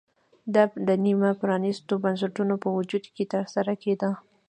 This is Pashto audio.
دا د نیمه پرانېستو بنسټونو په وجود کې ترسره کېده